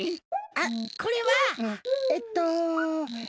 あっこれはえっと。